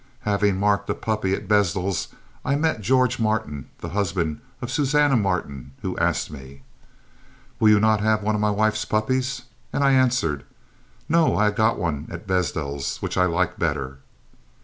Having marked a puppy at Blezdel's, I met George Martin, the husband of Susanna Martin, who asked me: "'Will you not have one of my wife's puppies?' and I answered: "'No; I have got one at Blezdel's, which I like better.'